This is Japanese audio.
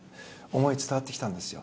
思い、伝わってきたんです。